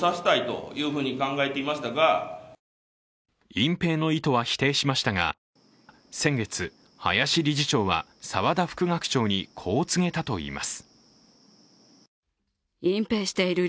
隠蔽の意図は否定しましたが、先月、林理事長は沢田副学長に、こう告げたといいます。